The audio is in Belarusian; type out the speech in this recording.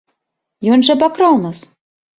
Ён жа абакраў нас!